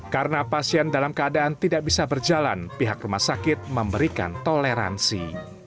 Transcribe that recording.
karena pasien dalam keadaan tidak bisa berjalan pihak rumah sakit memberikan toleransi